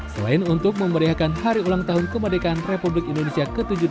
selain untuk memberiakan hari ulang tahun kemerdekaan republik indonesia